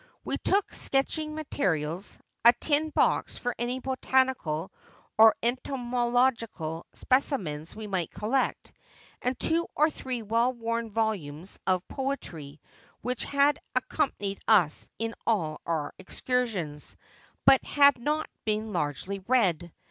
We took sketching materials, a tin box for any botanical or entomological speci mens we might collect, and two or three well worn volumes of poetry which had accompanied us in all our excursions, but had not been largely read.